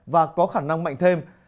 và có khả năng mạnh thêm